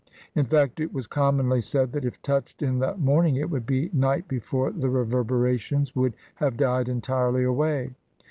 In fact, it was commonly said that if touched in the morn ing, it would be night before the reverberations would have died entirely away.